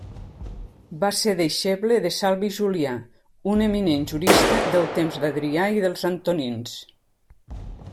Va ser deixeble de Salvi Julià, un eminent jurista del temps d'Adrià i dels Antonins.